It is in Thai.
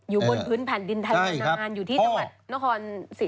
อยู่บนพื้นแผ่นดินไทยมานาน